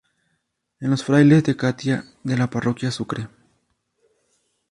En los Frailes de Catia de la parroquia Sucre.